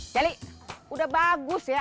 jeli udah bagus ya